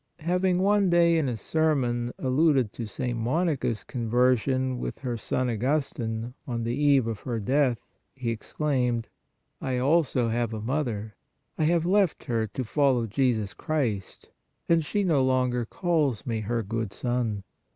Having one day in a sermon al luded to St. Monica s conversation with her son Augustine on the eve of her death, he exclaimed: "I also have a mother; I have left her to follow Jesus Christ, and she no longer calls me her good son.